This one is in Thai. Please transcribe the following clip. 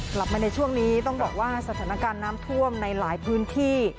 กลับมาในช่วงนี้ต้องบอกว่าสถานการณ์น้ำท่วมในหลายพื้นที่